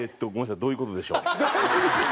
どういう事でしょう？